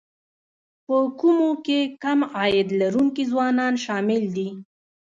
په کومو کې کم عاید لرونکي ځوانان شامل دي